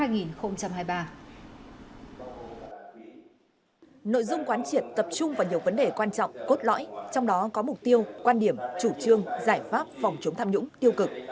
nội dung quán triệt tập trung vào nhiều vấn đề quan trọng cốt lõi trong đó có mục tiêu quan điểm chủ trương giải pháp phòng chống tham nhũng tiêu cực